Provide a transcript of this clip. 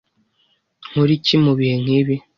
Nkore iki mubihe nkibi?